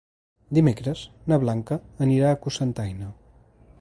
Dimecres na Blanca anirà a Cocentaina.